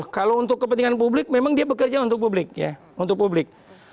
kalau untuk kepentingan publik memang dia bekerja untuk publik